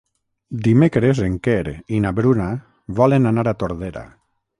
Dimecres en Quer i na Bruna volen anar a Tordera.